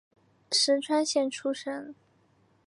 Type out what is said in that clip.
石川县出身。